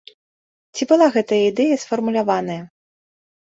Ці была гэтая ідэя сфармуляваная?